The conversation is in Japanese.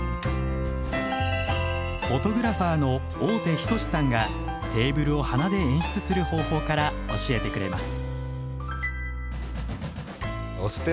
フォトグラファーの大手仁志さんがテーブルを花で演出する方法から教えてくれます。